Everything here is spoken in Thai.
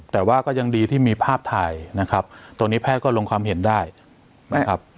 แต่ว่าก็ยังดีที่มีภาพถ่ายนะครับตรงนี้แพทย์ก็ลงความเห็นได้ไม่ครับ